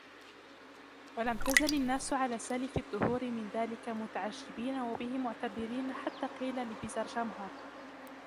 وَلَمْ تَزَلْ النَّاسُ عَلَى سَالِفِ الدُّهُورِ مِنْ ذَلِكَ مُتَعَجِّبِينَ وَبِهِ مُعْتَبِرِينَ حَتَّى قِيلَ لِبَزَرْجَمْهَرَ